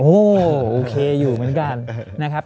โอเคอยู่เหมือนกัน